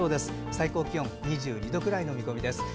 最高気温は２２度くらいの見込みです。